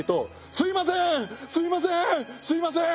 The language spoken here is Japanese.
すいません！」